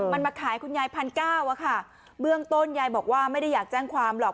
มันมาขายคุณยายพันเก้าอะค่ะเบื้องต้นยายบอกว่าไม่ได้อยากแจ้งความหรอก